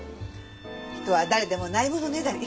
人は誰でもないものねだり。